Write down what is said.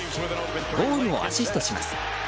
ゴールをアシストします。